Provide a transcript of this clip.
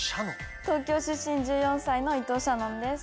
東京出身１４歳の伊藤沙音です。